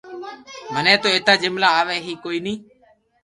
مني تو ايتا جملا آوي ھي ڪوئي ني